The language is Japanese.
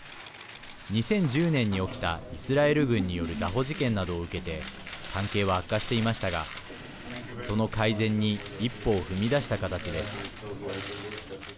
２０１０年に起きたイスラエル軍による拿捕事件などを受けて関係は悪化していましたがその改善に一歩を踏み出した形です。